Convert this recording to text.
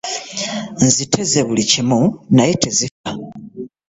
Nziteze buli kimu naye tezifa.